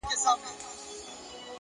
هره ستونزه د ودې بلنه ده.